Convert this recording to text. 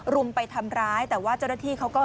รุมไปทำร้ายแต่ว่าเจ้าหน้าที่เขาก็